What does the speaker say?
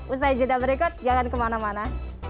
usai jeda berikut jangan kemana mana